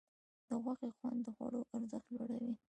د غوښې خوند د خوړو ارزښت لوړوي.